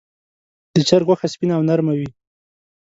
د چرګ غوښه سپینه او نرمه وي.